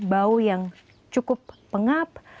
bau yang cukup pengap